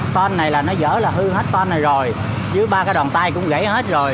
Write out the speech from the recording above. ton này là nó dở là hư hết ton này rồi dưới ba cái đòn tay cũng gãy hết rồi